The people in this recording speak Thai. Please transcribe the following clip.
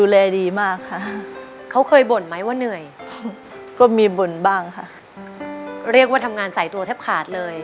เรียกว่าทำงานสายตัวแทบขาดเลย